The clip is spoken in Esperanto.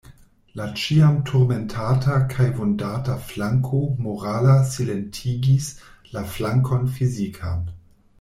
La ĉiam turmentata kaj vundata flanko morala silentigis la flankon fizikan.